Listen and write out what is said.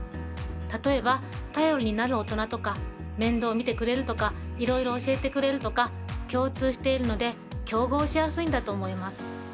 例えば「頼りになる大人」とか「面倒を見てくれる」とか「いろいろ教えてくれる」とか共通しているので競合しやすいんだと思います。